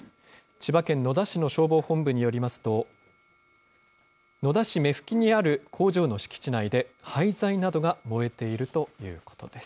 千葉県野田市の消防本部によりますと、野田市目吹にある工場の敷地内で、廃材などが燃えているということです。